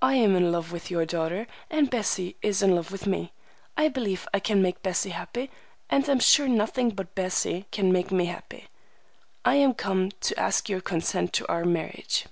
I am in love with your daughter, and Bessie is in love with me. I believe I can make Bessie happy, and am sure nothing but Bessie can make me happy. I have come to ask your consent to our marriage."